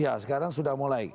ya sekarang sudah mulai